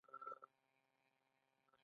زموږ په پرتله هغوی لټ دي